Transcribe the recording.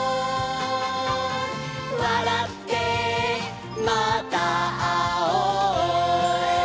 「わらってまたあおう」